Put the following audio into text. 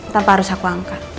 tanpa harus aku angkat